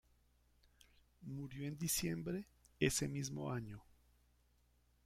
Murió en diciembre, ese mismo año.